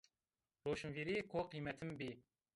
Roşnvîrêko qîymetin bî